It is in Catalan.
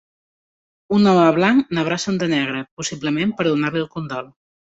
Un home blanc n'abraça un de negre, possiblement per donar-li el condol.